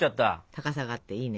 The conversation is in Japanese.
高さがあっていいね。